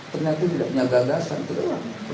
ternyata tidak punya gagasan